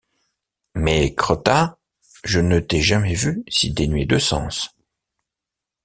Mais, Crottat, je ne t’ai jamais vu si dénué de sens.